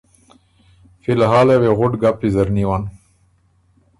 ”فی الحاله وې غُټ ګپ ویزر نیون“